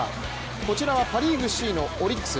こちらはパ・リーグ首位のオリックス。